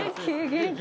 元気？